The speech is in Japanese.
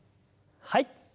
はい。